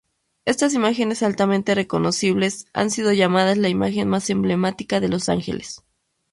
Estas imágenes altamente reconocibles han sido llamadas la "imagen más emblemática de Los Ángeles.